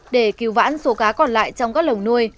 để cứu vãn số cá còn lại trong các lồng nuôi